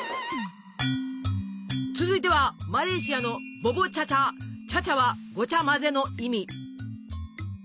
続いてはマレーシアの「チャチャ」はごちゃ混ぜの意味。